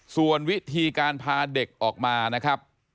ส่วนวิธีการพาเด็กออกมานะครับ